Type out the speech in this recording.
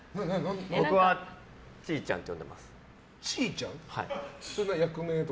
僕はチーちゃんって呼んでいます。